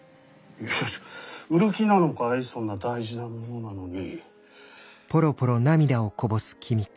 いや売る気なのかいそんな大事なものなのに。